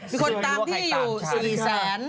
มีคนตามพี่อยู่๔๙๐๐๐๐คน